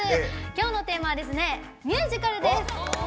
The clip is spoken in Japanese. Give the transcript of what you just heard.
今日のテーマは「ミュージカル」です。